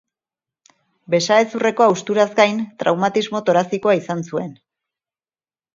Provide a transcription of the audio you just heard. Besahezurreko hausturaz gain, traumatismo torazikoa izan zuen.